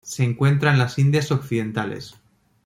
Se encuentra en las Indias Occidentales.